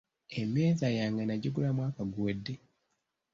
Emmeeza yange nagigula mwaka guwedde.